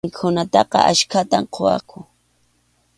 Mikhunataqa achkatam quwaqku.